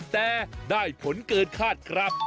แต่ได้ผลเกินคาดครับ